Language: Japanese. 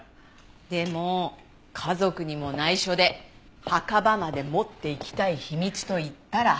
でも家族にも内緒で墓場まで持っていきたい秘密といったら。